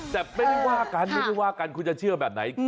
แต่ไม่ได้ว่ากันไม่ได้ว่ากันคุณจะเชื่อแบบไหน